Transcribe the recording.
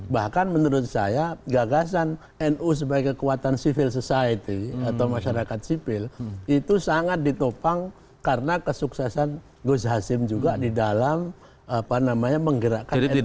bahkan menurut saya gagasan nu sebagai kekuatan civil society atau masyarakat sipil itu sangat ditopang karena kesuksesan gus hasim juga di dalam menggerakkan etika